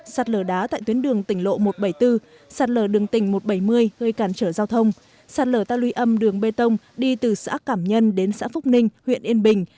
sạt lở đá tại tuyến đường tỉnh lộ một trăm bảy mươi bốn sạt lở đường tỉnh một trăm bảy mươi gây cản trở giao thông sạt lở ta luy âm đường bê tông đi từ xã cảm nhân đến xã phúc ninh huyện yên bình